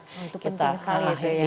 itu penting sekali itu ya